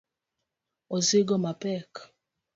osigo mapek.